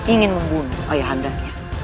ingin membunuh ayahandanya